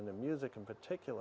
dan musik terutama